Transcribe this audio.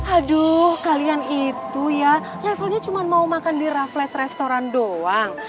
aduh kalian itu ya levelnya cuma mau makan di raffles restoran doang